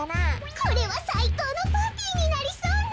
これはさいこうのパーティーになりそうね。